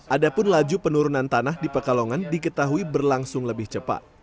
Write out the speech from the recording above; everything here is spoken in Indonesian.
adapun laju penurunan tanah di pekalongan diketahui berlangsung lebih cepat